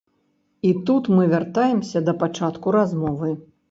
І тут мы вяртаемся да пачатку размовы.